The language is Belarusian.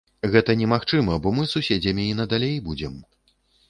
Гэта немагчыма, бо мы суседзямі і надалей будзем.